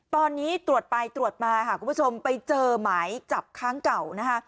ตอนนี้ตรวจไปตรวจมาค่ะคุณผู้ชมไปเจอหมายจับค้างเก่านะคะ